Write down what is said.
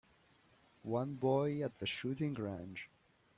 One boy at the shooting range.